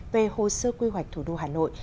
về hồ sơ quy hoạch thủ đô hà nội